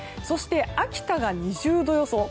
そして、秋田が２０度予想。